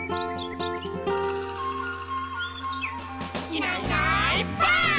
「いないいないばあっ！」